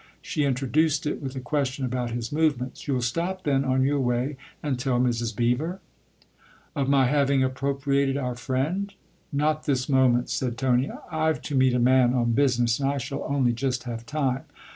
She introduced it with a question about his movements. " You'll stop, then, on your way and tell Mrs. Beever ?"" Of my having appropriated our friend ? Not this moment," said Tony u I've to meet a man on business, and I shall only just have time.